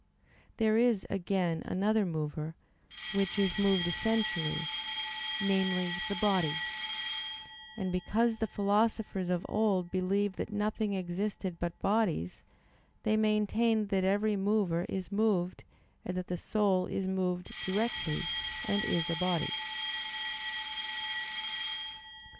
There is, again, another mover, which is moved essentially namely, the body. And because the philosophers of old believed that nothing existed but bodies, they maintained that every mover is moved; and that the soul is moved directly, and is a body.